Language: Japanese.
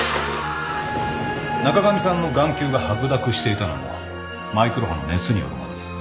中上さんの眼球が白濁していたのもマイクロ波の熱によるものです。